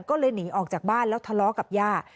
ก็เลยหนีออกจากบ้านแล้วทะเลาะกับย่า